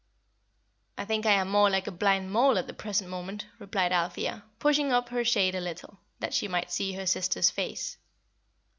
"I think I am more like a blind mole at the present moment," replied Althea, pushing up her shade a little, that she might see her sister's face.